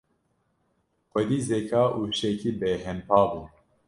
Xwedî zeka û hişekî bêhempa bû.